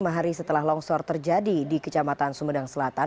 semahari setelah longsor terjadi di kecamatan sumedang selatan